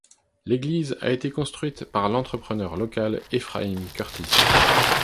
L'église a été construite par l'entrepreneur local Ephraïm Curtis.